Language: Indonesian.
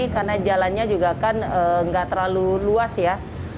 karena jalannya juga kan nggak terlalu luas ya